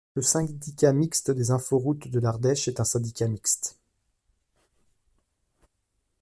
Le Syndicat mixte des inforoutes de l'Ardèche est un syndicat mixte.